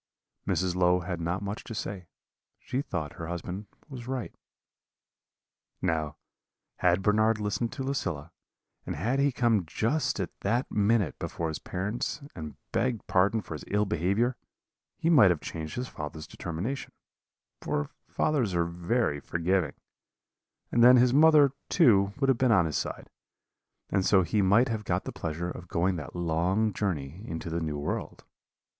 "Mrs. Low had not much to say; she thought her husband was right. "Now, had Bernard listened to Lucilla, and had he come just at that minute before his parents and begged pardon for his ill behaviour, he might have changed his father's determination for fathers are very forgiving and then his mother, too, would have been on his side; and so he might have got the pleasure of going that long journey into the New World.